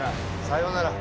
さよなら。